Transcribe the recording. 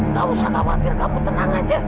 gak usah khawatir kamu tenang aja